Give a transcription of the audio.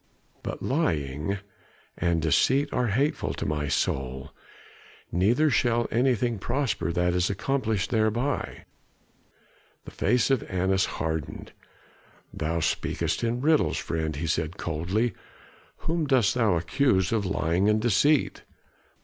"But lying and deceit are hateful to my soul. Neither shall anything prosper that is accomplished thereby." The face of Annas hardened. "Thou speakest in riddles, friend," he said coldly. "Whom dost thou accuse of lying and deceit?"